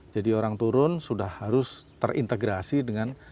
jadi orang turun sudah harus terintegrasi dengan kereta api